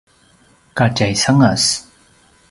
ka tjaisangas